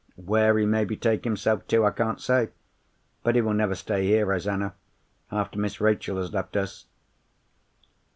Where he may betake himself to I can't say. But he will never stay here, Rosanna, after Miss Rachel has left us.